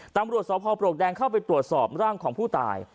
ตามบริวสอบพรพลกแดงเข้าไปตรวจสอบร่างของผู้ตาย